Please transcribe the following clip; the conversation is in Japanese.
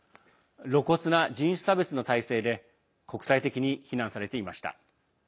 露骨な人種差別の体制で国際的に非難されていました。